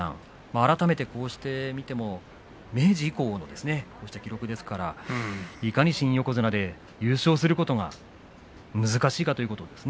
改めてこうして見ると明治以降の記録ですからいかに新横綱で優勝することが難しいかということですよね。